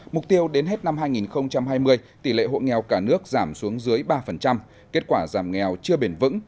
mục tiêu đến hết năm hai nghìn hai mươi tỷ lệ hộ nghèo cả nước giảm xuống dưới ba kết quả giảm nghèo chưa bền vững